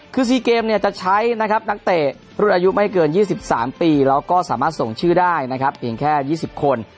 คือ๔เกมเนี่ยจะใช้นะครับนักเตะรุ่นอายุไม่เกิน๒๓ปีแล้วก็สามารถส่งชื่อได้นะครับเพียงแค่๒๐คน